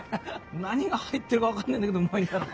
何が入ってるか分かんねえんだけどうまいんだよな。